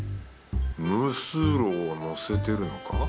ムースーローをのせてるのか？